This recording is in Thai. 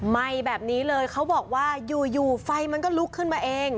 ไหม้แบบนี้เลยเขาบอกว่าอยู่ไฟมันก็ลุกขึ้นมาเอง